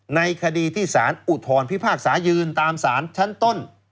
ในคดีที่สารอุทธรพิพากษายืนตามสารชั้นต้น